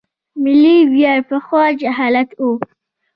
ملي ویاړ پخوا جهالت و.